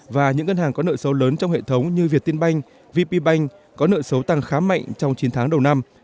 và những ngân hàng có nợ sâu lớn trong hệ thống như việt tiên banh vp bank có nợ xấu tăng khá mạnh trong chín tháng đầu năm